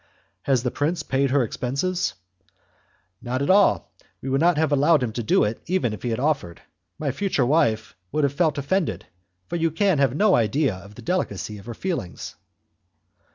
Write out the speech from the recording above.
"Has the prince paid her expenses?" "Not at all. We would not have allowed him to do it, even if he had offered. My future wife would have felt offended, for you can have no idea of the delicacy of her feelings."